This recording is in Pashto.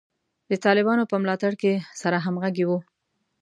د طالبانو په ملاتړ کې سره همغږي وو.